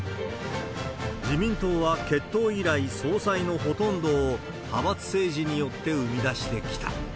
自民党は結党以来、総裁のほとんどを派閥政治によって生み出してきた。